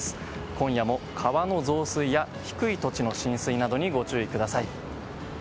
今夜も川の増水や低い土地の浸水などにご注意ください。